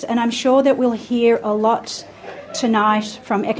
dan saya yakin kita akan mendengar banyak